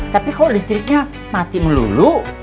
tapi kok listriknya mati melulu